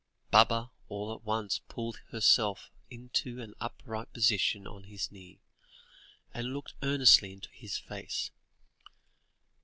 Baba all at once pulled herself into an upright position on his knee, and looked earnestly into his face.